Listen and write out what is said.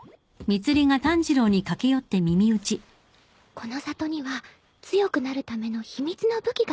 この里には強くなるための秘密の武器があるらしいの。